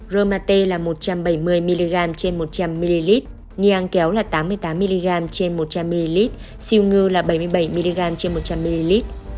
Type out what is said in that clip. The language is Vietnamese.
roma t là một trăm bảy mươi mg trên một trăm linh ml niang kéo là tám mươi tám mg trên một trăm linh ml siêu ngư là bảy mươi bảy mg trên một trăm linh ml